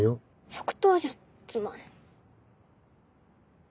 即答じゃんつまんない。